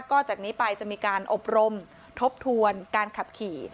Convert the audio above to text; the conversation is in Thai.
ก็จากนี้ไปจะมีการอบรมทบทวนการขับขี่